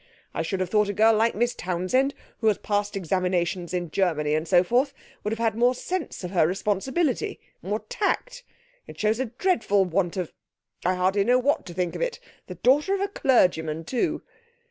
I should have thought a girl like Miss Townsend, who has passed examinations in Germany, and so forth, would have had more sense of her responsibility more tact. It shows a dreadful want of I hardly know what to think of it the daughter of a clergyman, too!'